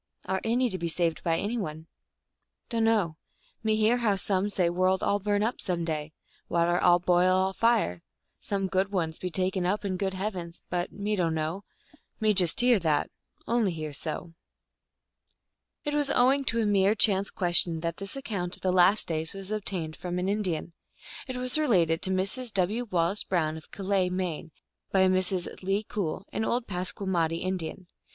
" Are any to be saved by any one ?"" Dunno. 3fe hear how some say world all burn up some day, water all boil all fire ; some good ones be taken up in good heavens, but me dumio, me just hear that. Only hear so." It was owing to a mere chance question that this account of the Last Day was obtained from an Indian. It was related to Mrs. W. Wallace Brown, of Calais, Maine, by Mrs. Le Cool, an old Passamaquoddy In dian.